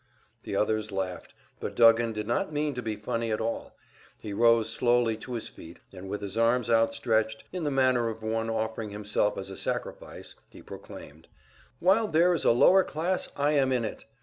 The others laughed; but Duggan did not mean to be funny at all. He rose slowly to his feet and with his arms outstretched, in the manner of one offering himself as a sacrifice, he proclaimed: "While there is a lower class, I am in it.